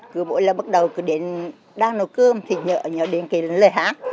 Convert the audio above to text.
cứ mỗi lần bắt đầu cứ đến đang nấu cơm thì nhớ đến cái lời hát